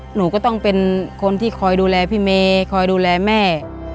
หนูก็ต้องเป็นคนที่คอยดูแลพี่เมย์คอยดูแลแม่